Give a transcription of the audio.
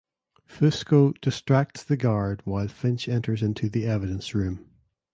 Fusco distracts the guard while Finch enters into the evidence room.